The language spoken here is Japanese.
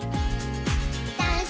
「ダンス！